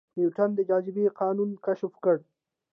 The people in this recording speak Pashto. نیوټن د جاذبې قانون کشف کړ